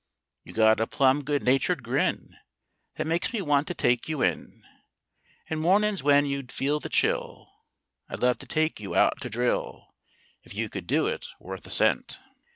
You got a plum good natured grin That makes me want to take you in And mornin's when you'd feel the chill I'd love to take you out to drill If you could do it worth a cent!